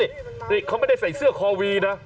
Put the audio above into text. นี่นี่เนี่ยของเขาไม่ได้ใส่เสื้อคอวีนะ